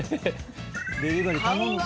デリバリー頼むか。